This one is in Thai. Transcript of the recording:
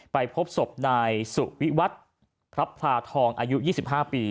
ไปพบศพนายสุวิวัตรพระพลาทองอายุ๒๕ปี